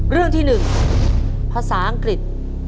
เรื่องที่๑ภาษาอังกฤษ